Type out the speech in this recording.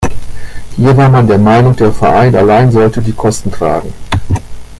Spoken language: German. Hier war man der Meinung, der Verein allein sollte die Kosten tragen.